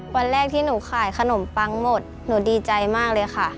วันแรกที่หนูขายขนมปังหมดหนูดีใจมากเลยค่ะ